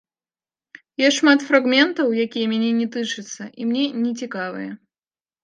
Ёсць шмат фрагментаў, якія мяне не тычацца і мне не цікавыя.